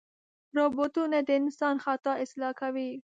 روبوټونه د انسان خطا اصلاح کوي.